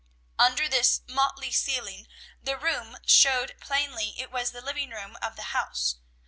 Under this motley ceiling the room showed plainly it was the living room of the house.